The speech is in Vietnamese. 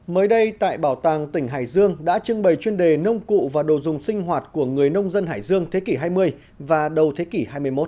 mới đây tại bảo tàng tỉnh hải dương đã trưng bày chuyên đề nông cụ và đồ dùng sinh hoạt của người nông dân hải dương thế kỷ hai mươi và đầu thế kỷ hai mươi một